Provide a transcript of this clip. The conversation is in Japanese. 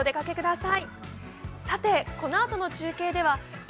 さてこのあとの中継ではえ？